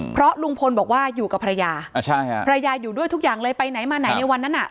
เพราะลุงพลบอกว่าอยู่กับภรรยาภรรยาอยู่ด้วยทุกอย่างเลยไปไหนมาไหนในวันนั้นน่ะ